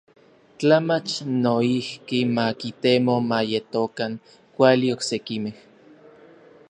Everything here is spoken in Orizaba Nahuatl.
Tla mach noijki ma kitemo ma yetokan kuali oksekimej.